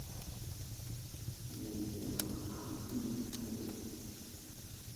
ليت مرآتنا حجر!